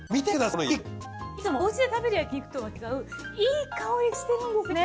いつもお家で食べる焼き肉とは違ういい香りがしてるんですよね。